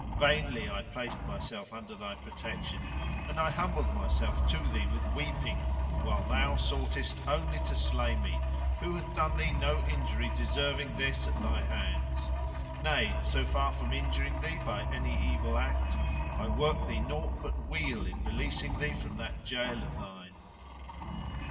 Vainly I placed myself under thy protection,[FN#102] and I humbled myself to thee with weeping, while thou soughtest only to slay me, who had done thee no injury deserving this at thy hands; nay, so far from injuring thee by any evil act, I worked thee nought but weal in releasing thee from that jail of thine.